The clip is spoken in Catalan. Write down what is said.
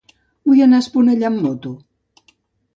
Vull anar a Esponellà amb moto.